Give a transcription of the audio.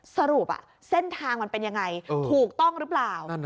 สรุปเส้นทางมันเป็นยังไงถูกต้องหรือเปล่า